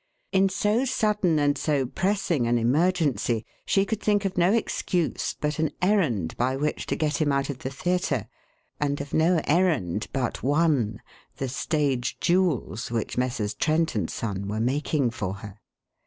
In so sudden and so pressing an emergency she could think of no excuse but an errand by which to get him out of the theatre, and of no errand but one the stage jewels which Messrs. Trent & Son were making for her.